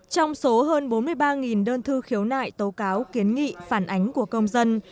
trong số hơn bốn mươi ba đơn thư khiếu nại tố cáo kiến nghị phản ánh của công dân